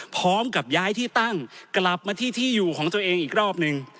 พร้อมกับย้ายที่ตั้งกลับมาที่ที่อยู่ของตัวเองอีกรอบหนึ่ง